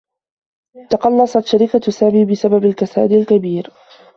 تقلّصت شركة سامي بسبب الكساد الكبير.